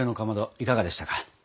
いかがでしたか？